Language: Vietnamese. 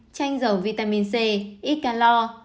chanh dầu vitamin c ít calor